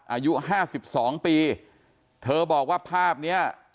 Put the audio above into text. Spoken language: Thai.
อายุห้าสิบสองปีเธอบอกว่าภาพเนี้ย